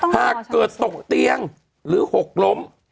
หากเกิดตกเตียงหรือหกล้ม